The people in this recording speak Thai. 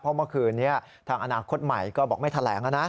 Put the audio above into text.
เพราะเมื่อคืนนี้ทางอนาคตใหม่ก็บอกไม่แถลงนะ